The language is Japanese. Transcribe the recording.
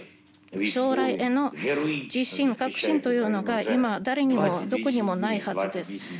将来への自信、確信というのが今、誰にもどこにもないはずです。